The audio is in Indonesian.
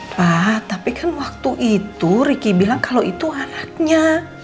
pak tapi kan waktu itu ricky bilang kalau itu anaknya